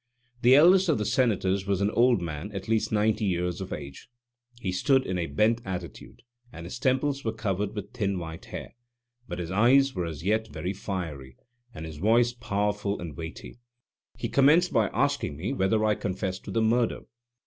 The eldest of the Senators was an old man at least ninety years of age. He stood in a bent attitude, and his temples were covered with thin white hair, but his eyes were as yet very fiery, and his voice powerful and weighty. He commenced by asking me whether I confessed to the murder.